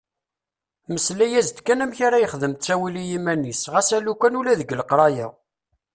Mmeslay-as-d kan amek ara yexdem ttawil i yiman-is ɣas alukan ula deg leqraya.